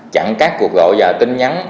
năm chặn các cuộc gọi và tin nhắn